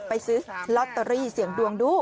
ไปซื้อลอตเตอรี่เสียงดวงดู